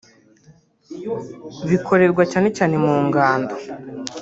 bikorerwa cyane cyane mu ngando